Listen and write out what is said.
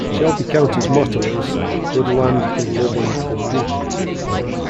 Shelby County's motto is "Good Land, Good Living, Good People".